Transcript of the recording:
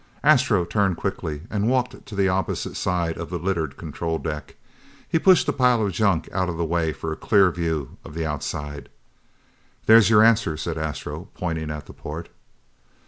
Astro turned quickly and walked to the opposite side of the littered control deck. He pushed a pile of junk out of the way for a clear view of the outside. "There's your answer," said Astro, pointing at the port.